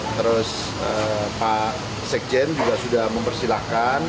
terus pak sekjen juga sudah mempersilahkan